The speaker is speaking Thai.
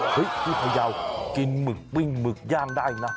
ที่พยาวกินหมึกปิ้งหมึกย่างได้นะ